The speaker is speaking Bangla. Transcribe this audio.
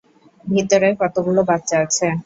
ভিতরে কতগুলো বাচ্চা আছে?